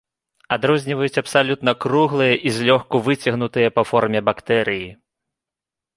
Адрозніваюць абсалютна круглыя і злёгку выцягнутыя па форме бактэрыі.